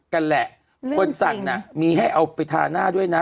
นั่นแหละคนสั่งน่ะมีให้เอาไปทาหน้าด้วยนะ